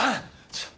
ちょっ。